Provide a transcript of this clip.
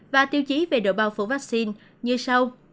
và tiêu chí về độ bao phủ vaccine như sau